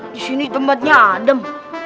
disini tempatnya adem